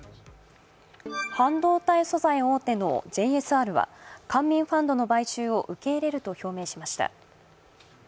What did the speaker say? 半導体素材大手のＪＳＲは官民ファンドの買収を受け入れると表明しました。